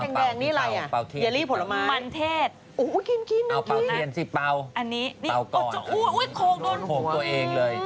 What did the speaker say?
นี่แดงนี่อะไรอ่ะเยลลี่ผลไม้มันเทศอุ๊ยกินอันนี้อุ๊ยโคกโดนโคกตัวเองเลย